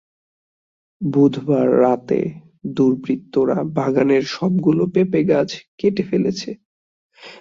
বুধবার রাতে দুর্বৃত্তরা বাগানের সবগুলো পেঁপেগাছ কেটে ফেলেছে।